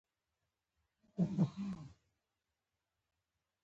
بیولوژي یا ژوند پوهنه د ساینس کومه برخه ده